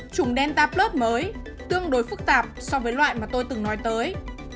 chủng delta plus mới tương đối phức tạp so với loại mà tôi từng nói tới